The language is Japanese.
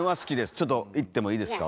ちょっといってもいいですか？